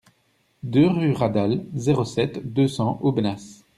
deux rue Radal, zéro sept, deux cents Aubenas